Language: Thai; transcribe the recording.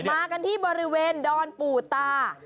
มากันที่บริเวณดอนปู่ตา